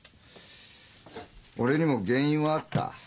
俺にも原因はあった。